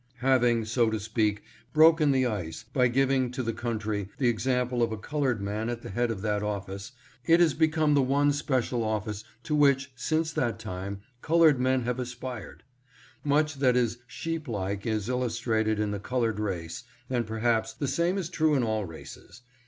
Having, so to speak, broken the ice by giving to the country the example of a colored man at the head of that office, it has become the one special office to which, since that time, col ored men have aspired. Much that is sheep like is illustrated in the colored race, and perhaps the same is true in all races.